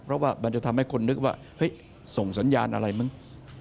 เพราะว่ามันจะทำให้คนนึกว่าเฮ้ยส่งสัญญาณอะไรมั้ง